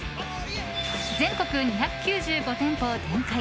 全国２９５店舗を展開。